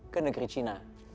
ke negeri cina